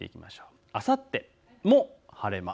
あさっても晴れ間。